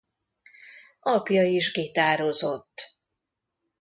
Apja is gitározott.